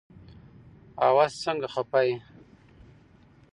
هوس سنګه خفه يي